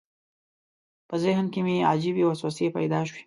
په ذهن کې مې عجیبې وسوسې پیدا شوې.